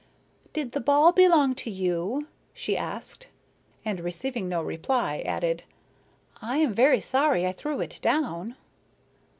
"Did the ball belong to you?" she asked, and receiving no reply added: "I am very sorry I threw it down."